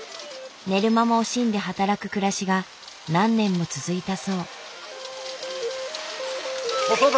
寝る間も惜しんで働く暮らしが何年も続いたそう。